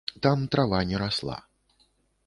Там трава не расла.